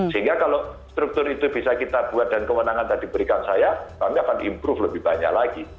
sehingga kalau struktur itu bisa kita buat dan kewenangan tadi berikan saya kami akan improve lebih banyak lagi